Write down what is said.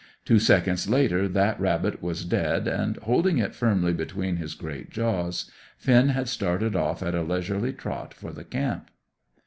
Two seconds later that rabbit was dead and, holding it firmly between his great jaws, Finn had started off at a leisurely trot for the camp.